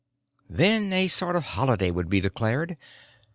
Then a sort of holiday would be declared.